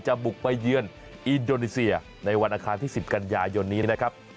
บุกไปเยือนอินโดนีเซียในวันอาคารที่๑๐กันยายนนี้นะครับ